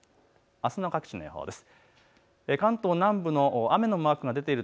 あすの各地の予報です。